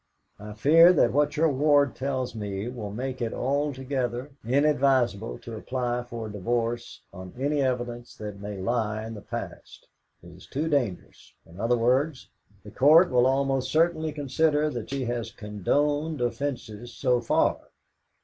I fear that what your ward tells me will make it altogether inadvisable to apply for a divorce on any evidence that may lie in the past. It is too dangerous. In other words, the Court would almost certainly consider that she has condoned offences so far.